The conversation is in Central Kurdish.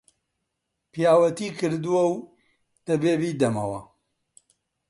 پیاوەتی کردووە و دەبێ بیدەمەوە